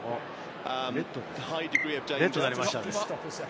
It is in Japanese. レッドになりましたね。